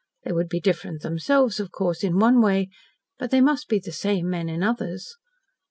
They would be different themselves, of course, in one way but they must be the same men in others.